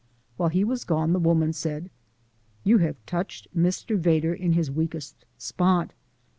While he was gone the woman said: "You have touched Mr. Vedder in his weakest spot."